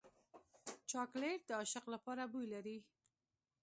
چاکلېټ د عاشق لپاره بوی لري.